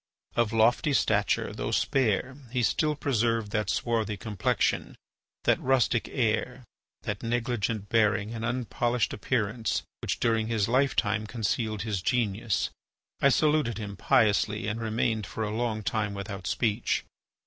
Of lofty stature, though spare, he still preserved that swarthy complexion, that rustic air, that negligent bearing, and unpolished appearance which during his lifetime concealed his genius. I saluted him piously and remained for a long time without speech.